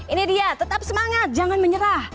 ini dia tetap semangat jangan menyerah